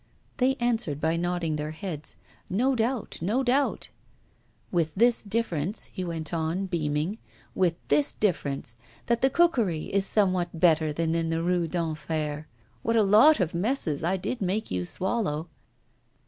They answered by nodding their heads no doubt, no doubt! 'With this difference,' he went on, beaming 'with this difference, that the cookery is somewhat better than in the Rue d'Enfer! What a lot of messes I did make you swallow!